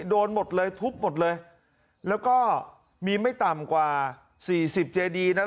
โดนหมดเลยทุบหมดเลยแล้วก็มีไม่ต่ำกว่าสี่สิบเจดีนะ